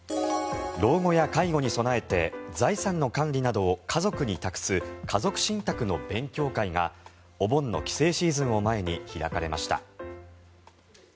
老後や介護に備えて財産の管理などを家族に託す家族信託の勉強会がお盆の帰省シーズンを前に開かれました。